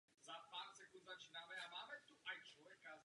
Jeho tělo bylo dočasně pohřbeno na stejném místě.